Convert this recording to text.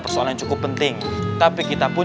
persoalan yang cukup penting tapi kita pun